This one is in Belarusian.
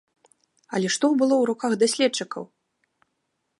Але што было ў руках даследчыкаў?